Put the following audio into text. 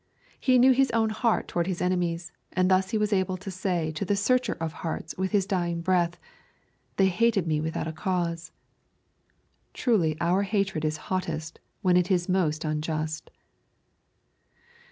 He knew His own heart towards His enemies, and thus He was able to say to the Searcher of Hearts with His dying breath, They hated Me without a cause. Truly our hatred is hottest when it is most unjust.